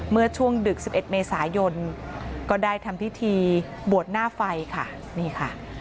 เมื่อช่วงดึก๑๑เมษายนก็ได้ทำพิธีบวชหน้าไฟค่ะนี่ค่ะ